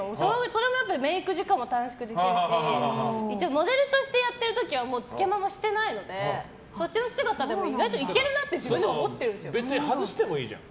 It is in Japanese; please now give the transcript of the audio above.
それもやっぱりメイク時間も短縮できるし一応モデルとしてやっている時はつけまもしてないのでそっちの姿でも意外といけるなって別に外してもいいじゃん。